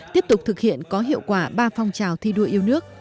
tiếp tục thực hiện có hiệu quả ba phong trào thi đua yêu nước